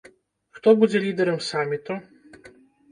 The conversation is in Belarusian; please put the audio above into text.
Хто будзе лідэрам саміту?